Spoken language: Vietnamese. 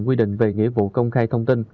quy định về nghĩa vụ công khai thông tin